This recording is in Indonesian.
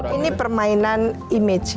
ini permainan image gitu ya pesan